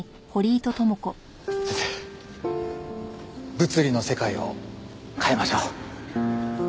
物理の世界を変えましょう。